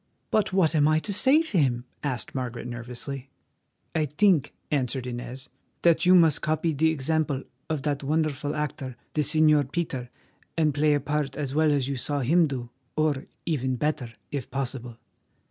"But what am I to say to him?" asked Margaret nervously. "I think," answered Inez, "that you must copy the example of that wonderful actor, the Señor Peter, and play a part as well as you saw him do, or even better, if possible."